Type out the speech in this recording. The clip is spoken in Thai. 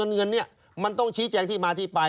เงินนี้มันต้องชี้แจงที่มาที่ไป